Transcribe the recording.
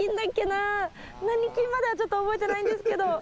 何菌まではちょっと覚えてないんですけど。